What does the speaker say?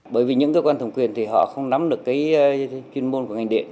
bởi vì những cơ quan thường quyền thì họ không nắm được cái chuyên môn của ngành điện